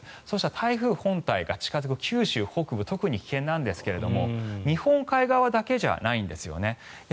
台風本体が近付く九州北部特に危険なんですが日本海側だけじゃないんですよね。